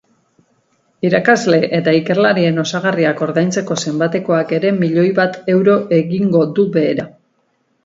Irakasle eta ikerlarien osagarriak ordaintzeko zenbatekoak ere milioi bat euro egingo du behera.